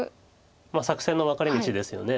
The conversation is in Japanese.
作戦の分かれ道ですよね。